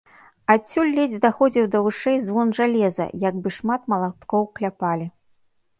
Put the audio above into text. Адсюль ледзь даходзіў да вушэй звон жалеза, як бы шмат малаткоў кляпалі.